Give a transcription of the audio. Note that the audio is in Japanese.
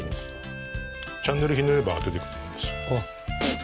チャンネルひねれば出てくると思います。